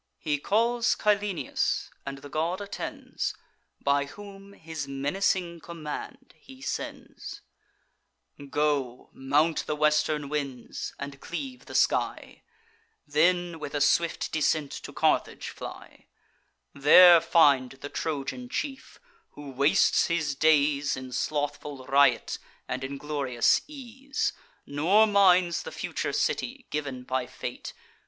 He calls Cyllenius, and the god attends, By whom his menacing command he sends: "Go, mount the western winds, and cleave the sky; Then, with a swift descent, to Carthage fly: There find the Trojan chief, who wastes his days In slothful riot and inglorious ease, Nor minds the future city, giv'n by fate.